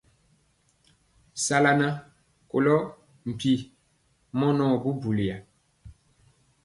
Sala nan kolo mpi mɔ nɔɔ bubuliya.